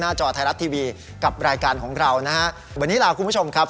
จอไทยรัฐทีวีกับรายการของเรานะฮะวันนี้ลาคุณผู้ชมครับ